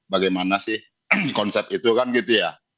bagaimana sih konsep itu kan gitu ya